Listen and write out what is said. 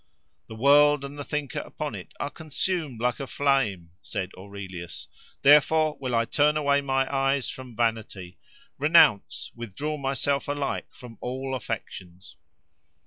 —"The world and the thinker upon it, are consumed like a flame," said Aurelius, "therefore will I turn away my eyes from vanity: renounce: withdraw myself alike from all affections."